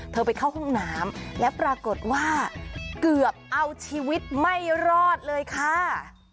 ไปเข้าห้องน้ำแล้วปรากฏว่าเกือบเอาชีวิตไม่รอดเลยค่ะ